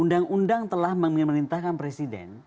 undang undang telah memerintahkan presiden